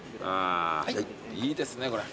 いいですねこれ。